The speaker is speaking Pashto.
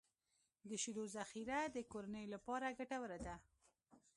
د شیدو ذخیره د کورنیو لپاره ګټوره ده.